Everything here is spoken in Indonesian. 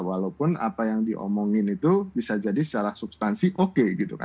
walaupun apa yang diomongin itu bisa jadi secara substansi oke gitu kan